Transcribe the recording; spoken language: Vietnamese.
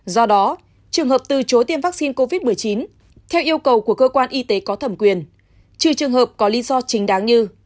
do đó trường hợp từ chối tiêm vaccine covid một mươi chín theo yêu cầu của cơ quan y tế có thẩm quyền trừ trường hợp có lý do chính đáng như